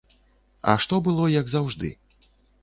А што было як заўжды?